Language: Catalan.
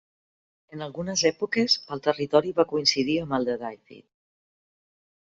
En algunes èpoques el territori va coincidir amb el de Dyfed.